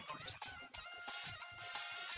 iya lihat aja dulu